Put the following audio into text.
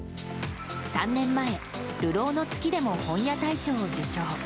３年前、「流浪の月」でも本屋大賞を受賞。